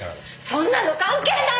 そんなの関係ないわ！